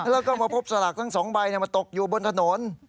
แล้วก็มาพบสลากทั้ง๒ใบมาตกอยู่บนถนน